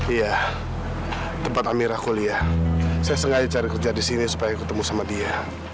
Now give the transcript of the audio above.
iya tempat amirah kuliah saya sengaja cari kerja di sini supaya ketemu sama dia